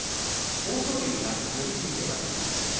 欧勝竜が寄り切りで勝ちました。